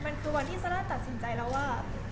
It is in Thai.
มันคือวันที่ซาร่าตัดสินใจแล้วว่า